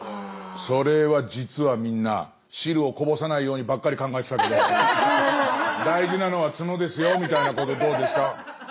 それは実はみんな汁をこぼさないようにばっかり考えてたけど大事なのは角ですよみたいなことどうですか？